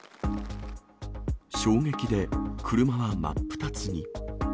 衝撃で車は真っ二つに。